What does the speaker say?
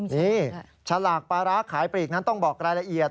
นี่ฉลากปลาร้าขายปลีกนั้นต้องบอกรายละเอียด